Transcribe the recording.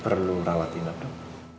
perlu rawat inap dong